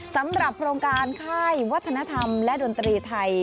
สำหรับโครงการค่ายวัฒนธรรมและดนตรีไทย